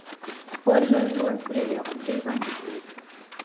کور لږ لوړ پر یوې غونډۍ باندې پروت و.